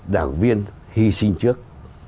đảng viên hy sinh trước